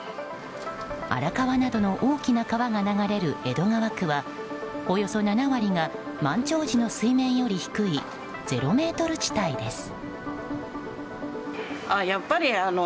荒川などの大きな川が流れる江戸川区はおよそ７割が満潮時の水面より低いゼロメートル地帯です。